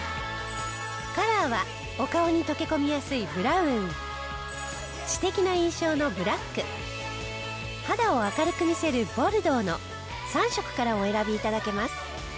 カラーはお顔に溶け込みやすいブラウン知的な印象のブラック肌を明るく見せるボルドーの３色からお選び頂けます。